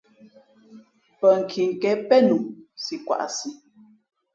Pά nkiken pēn nu si kwaꞌsi.